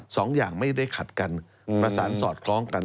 สองอย่างไม่ได้ขัดกันประสานสอดคล้องกัน